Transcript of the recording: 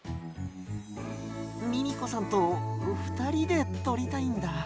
ミミコさんとふたりでとりたいんだ。